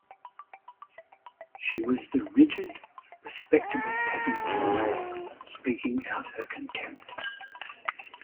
She was the rigid, respectable peasant woman, speaking out her contempt.